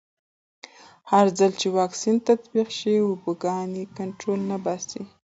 هرځل چې واکسین تطبیق شي، وباګانې کنټرول نه باسي.